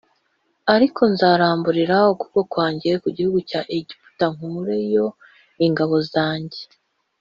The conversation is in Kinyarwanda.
ariko nzaramburira ukuboko kwanjye ku gihugu cya Egiputa nkureyo ingabo zanjye